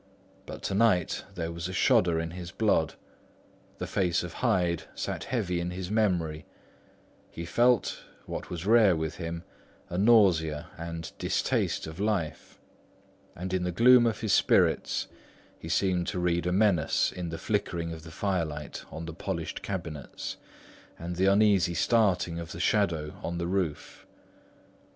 But tonight there was a shudder in his blood; the face of Hyde sat heavy on his memory; he felt (what was rare with him) a nausea and distaste of life; and in the gloom of his spirits, he seemed to read a menace in the flickering of the firelight on the polished cabinets and the uneasy starting of the shadow on the roof.